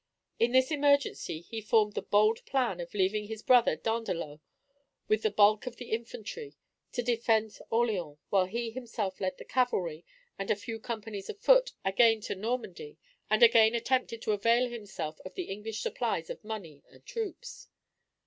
In this emergency he formed the bold plan of leaving his brother, Dandelot, with the bulk of the infantry to defend Orleans, while he himself led the cavalry and a few companies of foot again to Normandy, and again attempted to avail himself of the English supplies of money and troops.